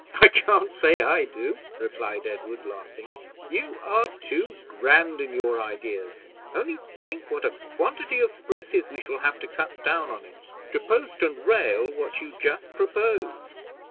"I can't say I do," replied Edward, laughing; "you are too grand in your ideas; only think what a quantity of spruces we shall have to cut down on it, to post and rail what you just propose.